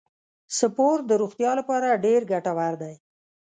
سپورت د روغتیا لپاره ډیر ګټور دی.